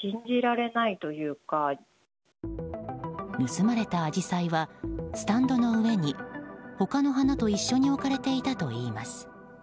盗まれたアジサイはスタンドの上に他の花と一緒に置かれていたといいます。